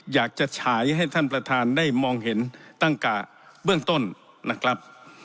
ฉายให้ท่านประธานได้มองเห็นตั้งแต่เบื้องต้นนะครับ